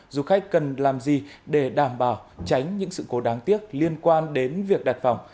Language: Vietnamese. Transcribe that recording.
du khách cần làm gì để đảm bảo tránh những sự cố đáng tiếc liên quan đến việc đặt phòng